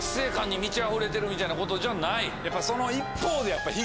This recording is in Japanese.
みたいなことじゃない？